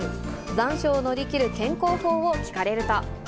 残暑を乗り切る健康法を聞かれると。